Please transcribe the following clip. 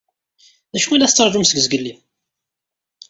D acu i la tettṛaǧum seg zgelli?